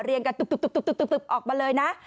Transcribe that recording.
เรียงกันตุ๊บออกมาเลยนะ